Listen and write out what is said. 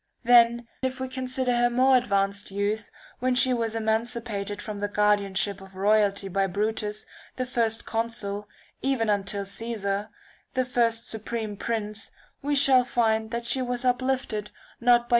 Then if we consider her more advanced youth, when she was emancipated from the guardianship of royalty by Brutus, the first [[looj consul, even until Caesar, the first supreme prince, we shall find that she was uplifted not by V.